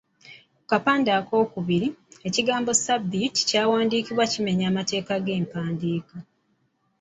Ku kapande akookubiri, ekigambo ‘sabiiti’ kyawandiikibwa kimenya amateeka g’empandiika.